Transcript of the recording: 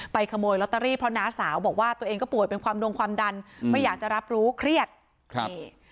ขโมยลอตเตอรี่เพราะน้าสาวบอกว่าตัวเองก็ป่วยเป็นความดวงความดันไม่อยากจะรับรู้เครียดครับนี่